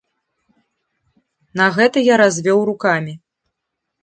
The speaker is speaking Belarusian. На гэта я развёў рукамі.